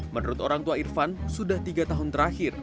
menurut orang tua irfan sudah tiga tahun terakhir